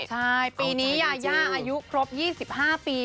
ใช่ปีนี้ยายาอายุครบ๒๕ปี